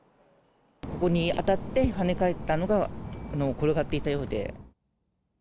ここに当たって、跳ね返ったのが、転がっていたようで。